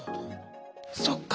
そっか。